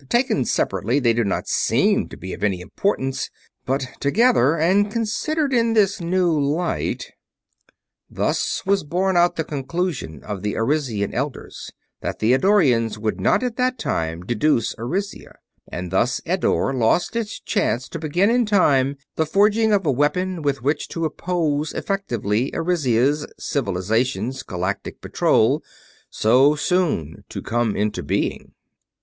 Taken separately, they did not seem to be of any importance; but together, and considered in this new light...." Thus was borne out the conclusion of the Arisian Elders that the Eddorians would not at that time deduce Arisia; and thus Eddore lost its chance to begin in time the forging of a weapon with which to oppose effectively Arisia's Civilization's Galactic Patrol, so soon to come into being.